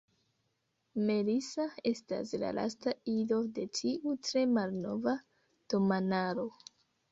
Melissa estas la lasta ido de tiu tre malnova domanaro.